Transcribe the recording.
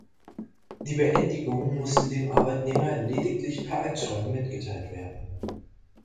Die Beendigung musste dem Arbeitnehmer lediglich per Einschreiben mitgeteilt werden.